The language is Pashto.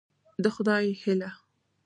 د خدای هيله